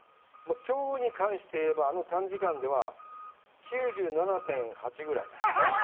きょうに関して言えば、あの短時間では、９７．８ぐらい。